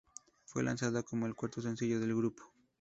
Fue lanzada como el cuarto sencillo del grupo.